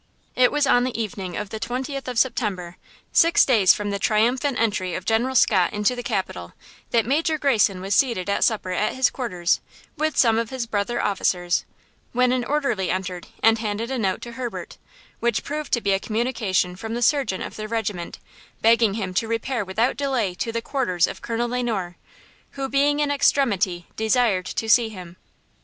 It was on the evening of the 20th of September, six days from the triumphant entry of General Scott into the capital, that Major Greyson was seated at supper at his quarters, with some of his brother officers, when an orderly entered and handed a note to Herbert, which proved to be a communication from the surgeon of their regiment, begging him to repair without delay to the quarters of Colonel Le Noir, who, being in extremity, desired to see him.